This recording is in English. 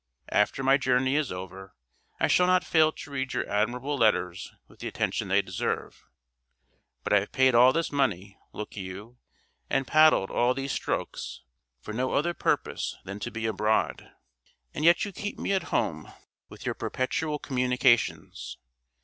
After my journey is over, I shall not fail to read your admirable letters with the attention they deserve. But I have paid all this money, look you, and paddled all these strokes, for no other purpose than to be abroad; and yet you keep me at home with your perpetual communications.